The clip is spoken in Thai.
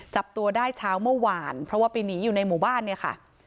จับตัวได้เช้าเมื่อวานเพราะว่าไปหนีอยู่ในหมู่บ้านเนี่ยค่ะ